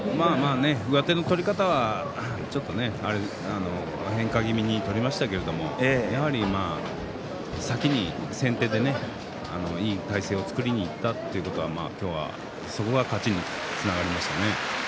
上手の取り方は、ちょっと変化気味に取りましたけれどやはり先に先手でいい体勢を作りにいったということは今日は、そこが勝ちにつながりましたね。